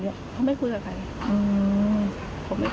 เขาไม่คุยกับใครเขาไม่เคย